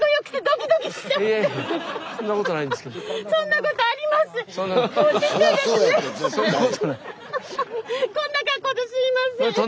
こんな格好ですいません。